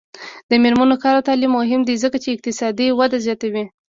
د میرمنو کار او تعلیم مهم دی ځکه چې اقتصادي وده زیاتوي.